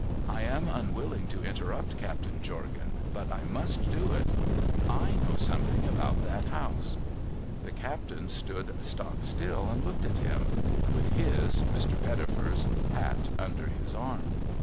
I am unwilling to interrupt Captain Jorgan, but I must do it. /know something about that house.' The captain stood stock still and looked at him, — with his (Mr, Pettifer's) hat under his arm.